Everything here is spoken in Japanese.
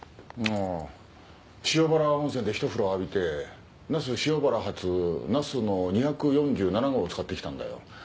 塩原温泉でひと風呂浴びて那須塩原発「なすの２４７号」を使ってきたんだよ。